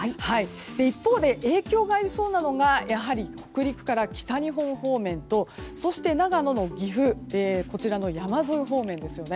一方で影響がありそうなのがやはり、北陸から北日本方面とそして、長野や岐阜山沿い方面ですよね。